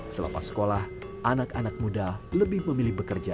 selepas sekolah anak anak muda lebih memilih bekerja